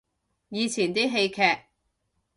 以前啲戲劇